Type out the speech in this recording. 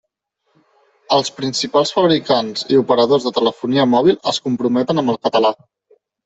Els principals fabricants i operadors de telefonia mòbil es comprometen amb el català.